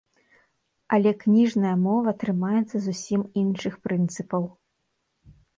Але кніжная мова трымаецца зусім іншых прынцыпаў.